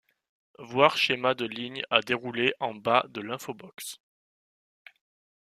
Voir schéma de ligne à dérouler en bas de l'infobox.